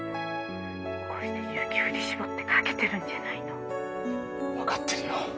こうして勇気を振り絞ってかけてるんじゃないの。分かってるよ。